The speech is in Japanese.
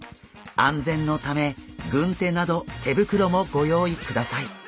安全のため軍手など手袋もご用意ください。